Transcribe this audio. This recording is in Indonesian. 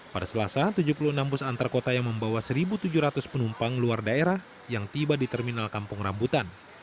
pada selasa tujuh puluh enam bus antar kota yang membawa satu tujuh ratus penumpang luar daerah yang tiba di terminal kampung rambutan